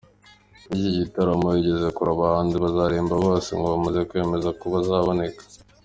yiki gitaramo igeze kure, abahanzi bazaririmba bose ngo bamaze kwemeza ko bazaboneka.